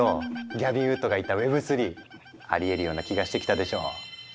ギャビン・ウッドが言ったＷｅｂ３ありえるような気がしてきたでしょ。